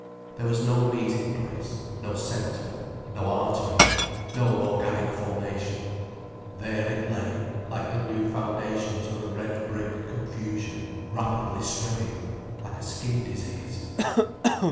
There was no meeting place, no centre, no artery, no organic formation. There it lay, like the new foundations of a red brick confusion rapidly spreading, like a skin disease.